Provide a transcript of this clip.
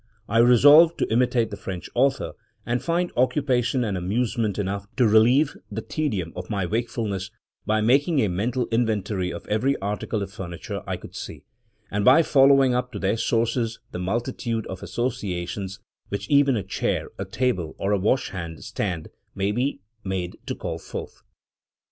I resolved to imitate the French author, and find occupation and amusement enough to relieve the tedium of my wakefulness, by making a mental inventory of every article of furniture I could see, and by following up to their sources the multitude of associations which even a chair, a table, or a wash hand stand may be made to call forth.